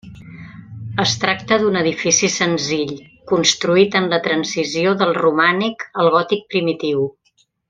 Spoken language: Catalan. Es tracta d'un edifici senzill, construït en la transició del romànic al gòtic primitiu.